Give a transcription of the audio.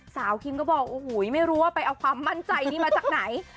สาวคิมก็บอกไม่รู้ว่าไปเอาความมั่นใจนี่มาจากไหน